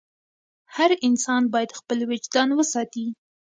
هر انسان باید خپل وجدان وساتي.